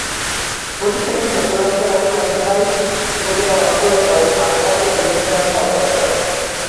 প্রতিষ্ঠানটি চট্টগ্রাম জেলার চন্দনাইশ উপজেলার অন্তর্গত সাতবাড়িয়া ইউনিয়নে অবস্থিত।